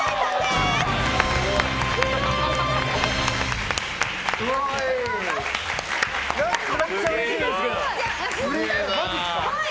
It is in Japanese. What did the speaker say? すごい！